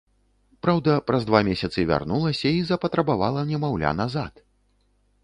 Праўда, праз два месяцы вярнулася і запатрабавала немаўля назад.